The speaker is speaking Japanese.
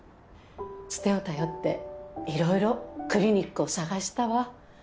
つてを頼って色々クリニックを探したわ。